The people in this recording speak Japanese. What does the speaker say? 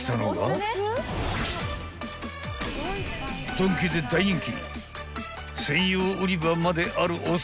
［ドンキで大人気］